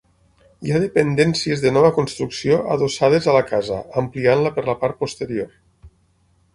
Hi ha dependències de nova construcció adossades a la casa, ampliant-la per la part posterior.